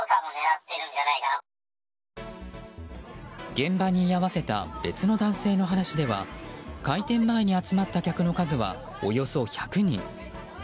現場に居合わせた別の男性の話では開店前に集まった客の数はおよそ１００人。